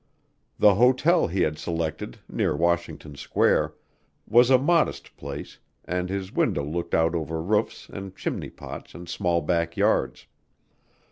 The hotel he had selected, near Washington Square, was a modest place and his window looked out over roofs and chimney pots and small back yards.